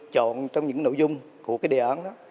chọn trong những nội dung của cái đề án đó